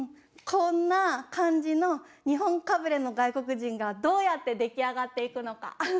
こんな感じの日本かぶれの外国人がどうやって出来上がっていくのか。